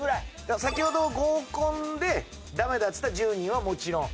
先ほど合コンでダメだっつった１０人はもちろん。